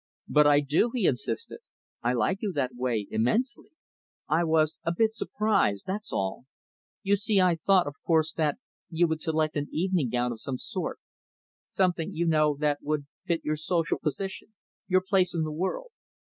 "But I do," he insisted. "I like you that way, immensely. I was a bit surprised, that's all. You see, I thought, of course, that you would select an evening gown of some sort something, you know, that would fit your social position your place in the world.